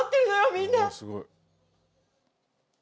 みんな。